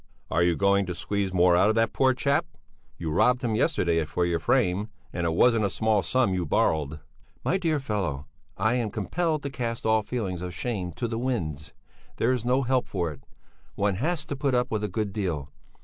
"Are you going to squeeze more out of that poor chap? You robbed him yesterday for your frame. And it wasn't a small sum you borrowed." "My dear fellow! I am compelled to cast all feelings of shame to the winds; there's no help for it. One has to put up with a good deal.